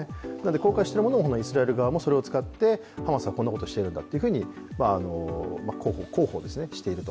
公開しているものをイスラエル側もそれを使って、ハマスはこんなことをしていると広報していると。